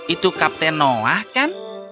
itu kapten noah kan